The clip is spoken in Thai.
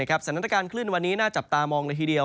สถานการณ์คลื่นวันนี้น่าจับตามองเลยทีเดียว